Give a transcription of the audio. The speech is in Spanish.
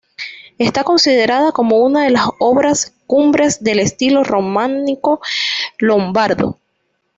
Está considerada como una de las obras cumbres del estilo románico lombardo.